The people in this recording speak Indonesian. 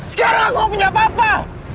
sekarang aku punya papa